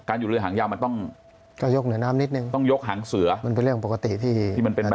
อยู่เรือหางยาวมันต้องก็ยกเหนือน้ำนิดนึงต้องยกหางเสือมันเป็นเรื่องปกติที่ที่มันเป็นอะไร